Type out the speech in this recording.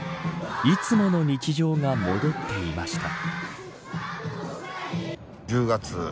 いつもの日常が戻っていました。